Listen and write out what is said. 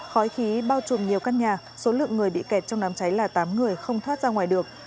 khói khí bao trùm nhiều căn nhà số lượng người bị kẹt trong đám cháy là tám người không thoát ra ngoài được